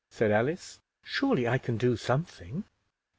said Alice. "Surely I can do something?"